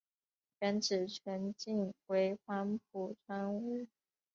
原址全境为黄埔船坞。